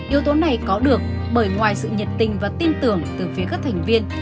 yếu tố này có được bởi ngoài sự nhiệt tình và tin tưởng từ phía các thành viên